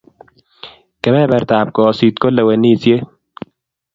kebebertab kosit ko lewenishiet